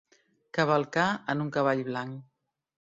Cavalcar en un cavall blanc.